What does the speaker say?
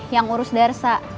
yang urus darsa